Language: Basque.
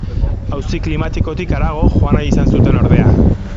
Auzi klimatikotik harago joan nahi izan zuten, ordea.